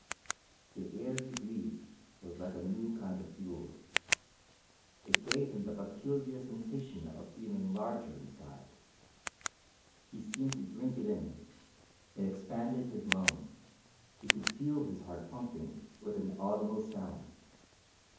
The air he breathed was like a new kind of fuel. It gave him the peculiar sensation of feeling larger inside; he seemed to drink it in; it expanded his lungs; he could feel his heart pumping with an audible sound.